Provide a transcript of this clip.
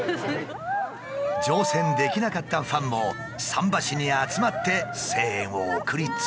乗船できなかったファンも桟橋に集まって声援を送り続けた。